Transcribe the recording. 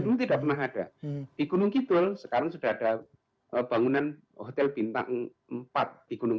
dulu tidak pernah ada di gunung kidul sekarang sudah ada bangunan hotel bintang empat di gunung